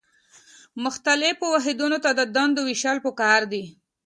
مختلفو واحدونو ته د دندو ویشل پکار دي.